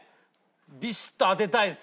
ビシッと当てたいです